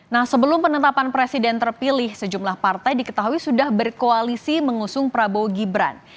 nah sebelum penetapan presiden terpilih sejumlah partai diketahui sudah berkoalisi mengusung prabowo gibran